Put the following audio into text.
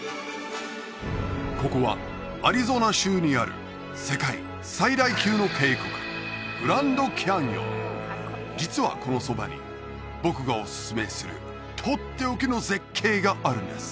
ここはアリゾナ州にある世界最大級の渓谷実はこのそばに僕がおすすめするとっておきの絶景があるんです